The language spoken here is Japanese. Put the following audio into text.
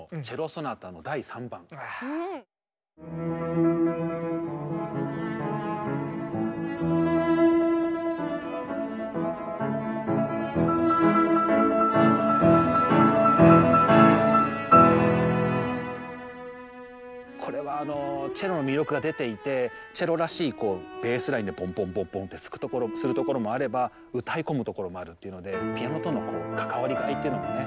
はい１つ目がこれはあのチェロの魅力が出ていてチェロらしいベースラインでポンポンポンポンってするところもあれば歌い込むところもあるっていうのでピアノとの関わりがっていうのもね。